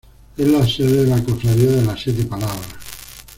Es la sede de la Cofradía de las Siete Palabras.